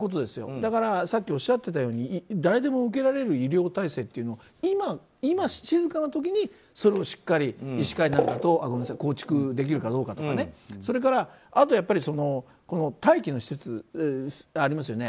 だから、さっきおっしゃってたように誰でも受けられる医療体制っていうのを今、静かな時にそれをしっかり、医師会なんかを構築できるかどうかとかそれから待機の施設ありますよね。